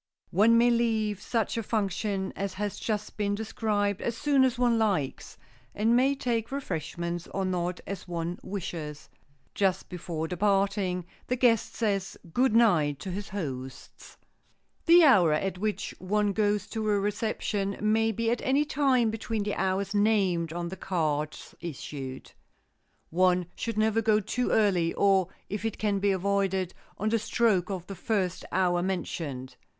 One may leave such a function as has just been described as soon as one likes, and may take refreshments or not as one wishes. Just before departing the guest says good night to his hosts. The hour at which one goes to a reception may be at any time between the hours named on the cards issued. One should never go too early, or, if it can be avoided, on the stroke of the first hour mentioned.